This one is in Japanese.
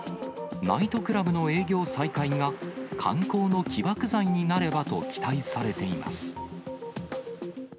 ナイトクラブの営業再開が観光の起爆剤になればと期待されています。